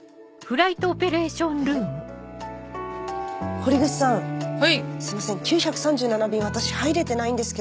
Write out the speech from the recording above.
堀口さんすいません９３７便私入れてないんですけど。